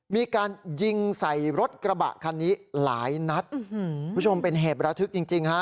มีการยิงใส่รถกระบะคันนี้หลายนัดคุณผู้ชมเป็นเหตุระทึกจริงจริงฮะ